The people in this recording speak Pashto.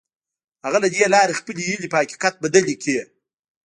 هغه له دې لارې خپلې هيلې په حقيقت بدلې کړې.